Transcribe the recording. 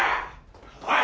おい！